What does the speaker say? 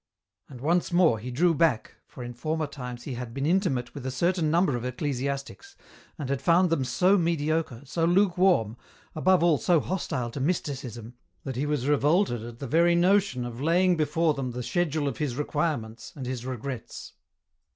And once more, he drew back, for in former times he had been intimate with a certain number of ecclesiastics, and had found them so mediocre, so lukewarm, above all so hostile to Mysticism, that he was revolted at the very no tion of laying before them the schedule of his requirements and his regrets.